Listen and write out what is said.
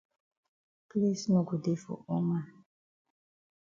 Place no go dey for all man.